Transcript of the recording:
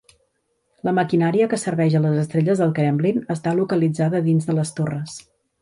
La maquinària que serveix a les estrelles del Kremlin està localitzada dins de les torres.